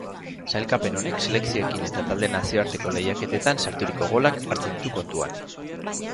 Sailkapen honek selekzioekin eta taldeen nazioarteko lehiaketetan sarturiko golak hartzen ditu kontuan.